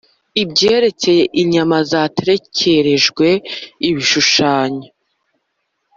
Ibyerekeye inyama zaterekerejwe ibishushanyo